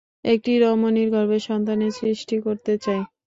একটি রমণীর গর্ভে সন্তানের সৃষ্টি করতে চাই।